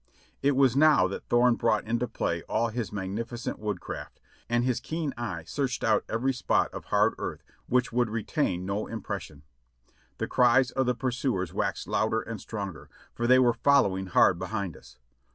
It was now that Thorne brought into play all his magnificent woodcraft, and his keen eye searched out every spot of hard earth which would retain no impression. The cries of the pursuers waxed louder and stronger, for they were following hard behind us.